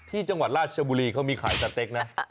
ที่จังหวัดราชบุรีเขามีขายสเต็กนะ